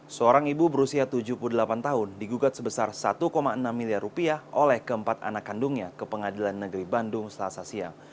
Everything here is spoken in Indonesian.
seorang ibu berusia tujuh puluh delapan tahun digugat sebesar satu enam miliar rupiah oleh keempat anak kandungnya ke pengadilan negeri bandung selasa siang